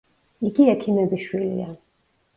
იგი ექიმების შვილია.